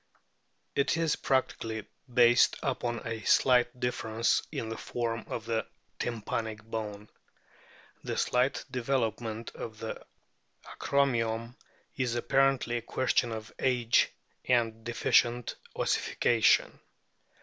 It is practically based upon a slight difference in the form of the tympanic bone. The slight development of the acromion is apparently a question of age and deficient ossification.